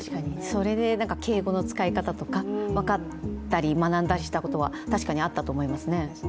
それで敬語の使い方とか分かったりとか学んだりしたことは確かにあったと思いますね。